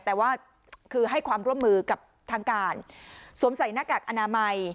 แต่ว่าคือให้ความร่วมมือกับทางการสวมใส่หน้ากากอนามัย